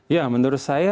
ya menurut saya